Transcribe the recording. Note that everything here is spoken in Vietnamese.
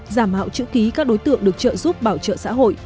giảm mạo chữ ký các đối tượng được trợ giúp bảo trợ xã hội